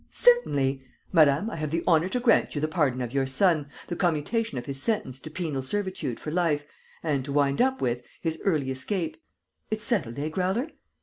Certainly! Madame, I have the honour to grant you the pardon of your son, the commutation of his sentence to penal servitude for life and, to wind up with, his early escape. It's settled, eh, Growler?